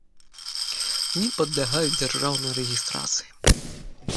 Не падлягаюць дзяржаўнай рэгiстрацыi.